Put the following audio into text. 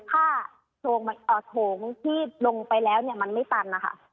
ถ้าโถงที่ลงไปแล้วมันไม่ตัน